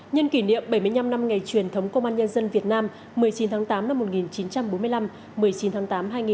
nhân kỷ niệm bảy mươi năm năm ngày truyền thống công an nhân dân việt nam một mươi chín tháng tám năm một nghìn chín trăm bốn mươi năm một mươi chín tháng tám hai nghìn hai mươi